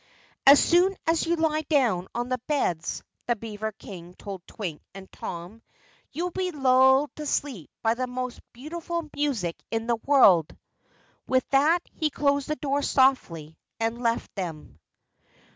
"As soon as you lie down on the beds," the beaver King told Twink and Tom, "you will be lulled to sleep by the most beautiful music in the world." With that he closed the door softly and left them.